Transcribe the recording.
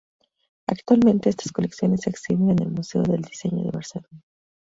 Actualmente estas colecciones se exhiben en el Museo del Diseño de Barcelona.